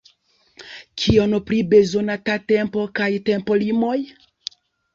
Kion pri bezonata tempo kaj tempolimoj?